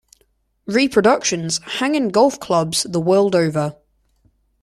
Reproductions hang in golf clubs the world over.